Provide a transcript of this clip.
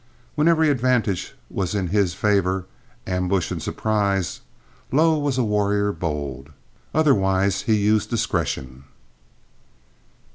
When every advantage was in his favor ambush and surprise Lo was a warrior bold; otherwise he used discretion.